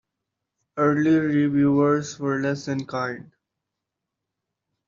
Early reviewers were less than kind.